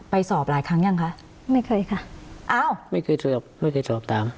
สอบหลายครั้งยังคะไม่เคยค่ะอ้าวไม่เคยสอบไม่เคยสอบถาม